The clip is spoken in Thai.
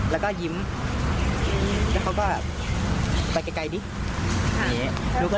แล้วก็แยกย้ายกันไปเธอก็เลยมาแจ้งความ